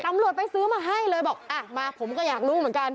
ตำรวจไปซื้อมาให้เลยบอกอ่ะมาผมก็อยากรู้เหมือนกัน